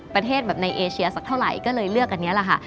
ประเทศแบบในเอเชียสักเท่าไหร่ก็เลยเลือกอันนี้แหละค่ะ